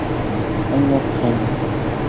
আমি মদ খাই না।